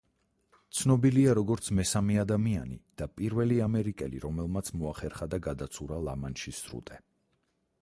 ცნობილია, როგორც მესამე ადამიანი და პირველი ამერიკელი, რომელმაც მოახერხა და გადაცურა ლა-მანშის სრუტე.